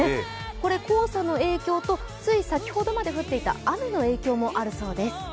これ黄砂の影響とつい先ほどまで降っていた雨の影響もあるそうです。